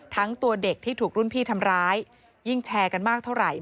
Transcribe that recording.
ตัวเด็กที่ถูกรุ่นพี่ทำร้ายยิ่งแชร์กันมากเท่าไหร่